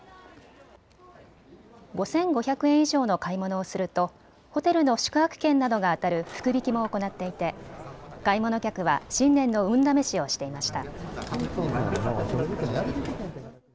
５５００円以上の買い物をするとホテルの宿泊券などが当たる福引きも行っていて買い物客は新年の運試しをしていました。